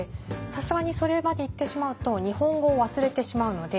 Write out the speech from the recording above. さすがにそれまでいってしまうと日本語を忘れてしまうので。